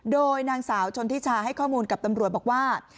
โดยนางสาวชนทิชาให้ข้อมูลกับตำรวจบอกว่า